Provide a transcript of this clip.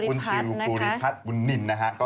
ขุนชิลคุณฟัตรคุณนินติ์